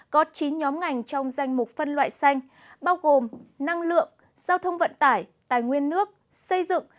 có chín nhóm ngành trong danh mục phân loại xanh bao gồm năng lượng giao thông vận tải tài nguyên nước xây dựng